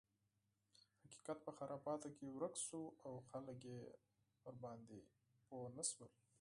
حقیقت په خرافاتو کې ورک شو او خلک یې پرې پوه نه شول.